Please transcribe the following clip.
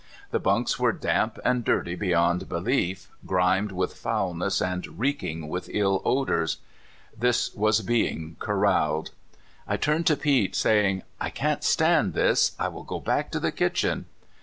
The bunks were damp and dirty be3'ond belief, grimed with foulness and reeking with ill odors. This was being corraled. I turned to Pete, saying: '* I can't stand this; I will go back to the kitchen."